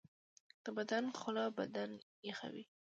د بدن خوله بدن یخوي